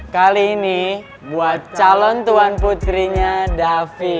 kali ini buat calon tuan putrinya davi